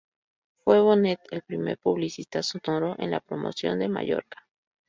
Fue Bonet el primer publicista sonoro en la promoción de Mallorca.